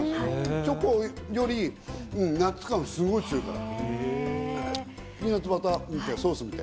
チョコよりナッツ感がすごく強い。